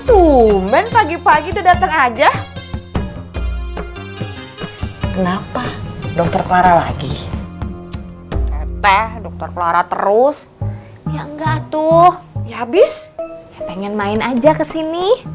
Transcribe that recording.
tuh men pagi pagi datang aja kenapa dokter clara lagi dokter clara terus enggak tuh habis pengen main aja kesini ya